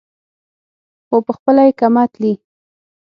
خو پخپله یې کمه تلي.